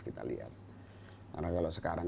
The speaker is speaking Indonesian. kita lihat karena kalau sekarang